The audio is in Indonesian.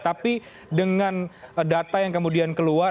tapi dengan data yang kemudian keluar